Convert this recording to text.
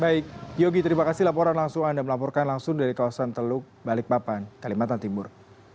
baik yogi terima kasih laporan langsung anda melaporkan langsung dari kawasan teluk balikpapan kalimantan timur